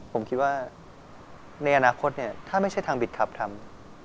ผมคิดว่าในอนาคตถ้าไม่ใช่ทางบิดขับทำ